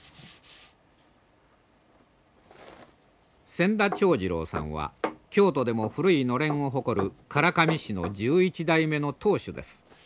千田長次郎さんは京都でも古いのれんを誇る唐紙師の１１代目の当主です。